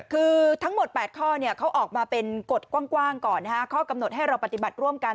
คือทั้งหมด๘ข้อเขาออกมาเป็นกฎกว้างก่อนข้อกำหนดให้เราปฏิบัติร่วมกัน